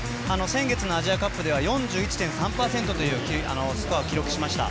先月のアジアカップでは４１．３％というスコアを記録しました。